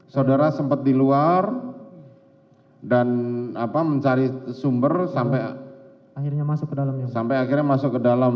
saudara sempat di luar dan mencari sumber sampai akhirnya masuk ke dalam